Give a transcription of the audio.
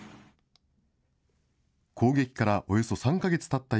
攻撃からおよそ３か月たった